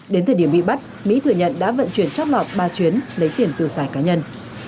đến thời điểm bị bắt mỹ thừa nhận đã vận chuyển chót lọt ba chuyến lấy tiền tiêu xài cá nhân